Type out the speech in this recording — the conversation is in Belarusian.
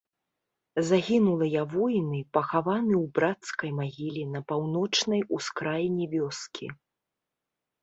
Загінулыя воіны пахаваны ў брацкай магіле на паўночнай ускраіне вёскі.